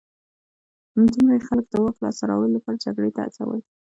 همدومره یې خلک د واک لاسته راوړلو لپاره جګړې ته هڅول